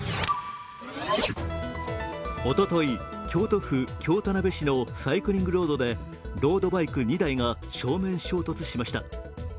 おととい、京都府京田辺市のサイクリングロードで、ロードバイク２台が正面衝突しました。